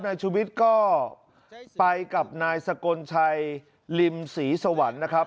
ชุวิตก็ไปกับนายสกลชัยริมศรีสวรรค์นะครับ